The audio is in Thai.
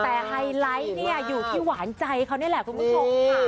แต่ไฮไลท์เนี่ยอยู่ที่หวานใจเขานี่แหละคุณผู้ชมค่ะ